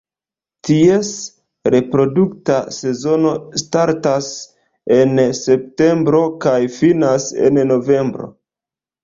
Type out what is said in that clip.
Ties reprodukta sezono startas en septembro kaj finas en novembro.